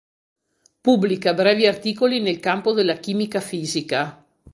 Pubblica brevi articoli nel campo della Chimica fisica.